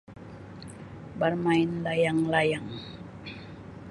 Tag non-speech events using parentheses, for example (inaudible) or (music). Bermain layang-layang. (noise)